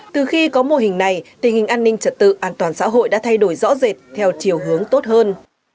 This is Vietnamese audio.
từ khi có mô hình này tình hình án hình tật tự an toàn xã hội đã thay đổi rõ rệt theo chiều hướng tốt hơn